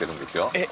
えっ！